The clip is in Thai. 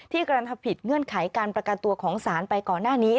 กระทำผิดเงื่อนไขการประกันตัวของศาลไปก่อนหน้านี้